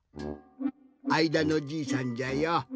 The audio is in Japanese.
あいだのじいさんじゃよ。